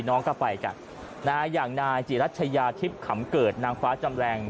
น้องก็ไปกันนะฮะอย่างนายจิรัชยาทิพย์ขำเกิดนางฟ้าจำแรง